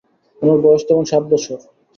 উমার বয়স তখন সাত বৎসর।